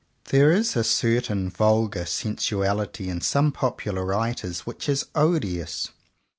There is a certain vulgar sensuality in some popular writers which is odious.